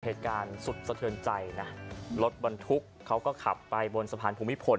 เหตุการณ์สุดสะเทือนใจนะรถบรรทุกเขาก็ขับไปบนสะพานภูมิพล